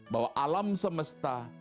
bahwa alam semesta